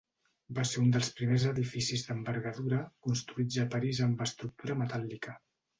Va ser un dels primers edificis d'envergadura construïts a París amb estructura metàl·lica.